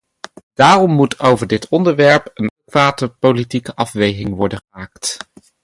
Daarom moet over dit onderwerp een adequate politieke afweging worden gemaakt.